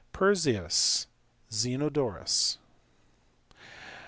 Perseus. Zenodorus.